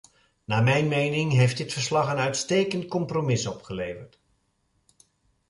Naar mijn mening heeft dit verslag een uitstekend compromis opgeleverd.